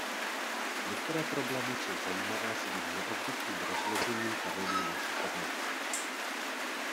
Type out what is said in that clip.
Některé problémy jsou zajímavé svým neobvyklým rozložením kamenů na šachovnici.